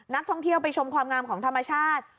นักท่องเที่ยวไปชมความงามของธรรมชาติ